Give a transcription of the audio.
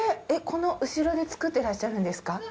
えっこの後ろで作ってらっしゃるんですか？